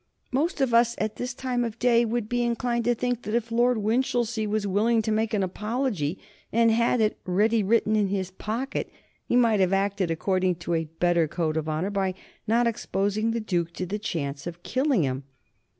Most of us at this time of day would be inclined to think that if Lord Winchilsea was willing to make the apology and had it ready written in his pocket, he might have acted according to a better code of honor by not exposing the Duke to the chance of killing him.